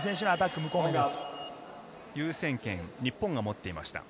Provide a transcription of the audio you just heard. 優先権、日本が持っていました。